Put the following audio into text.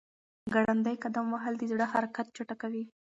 ګړندی قدم وهل د زړه حرکت چټکوي.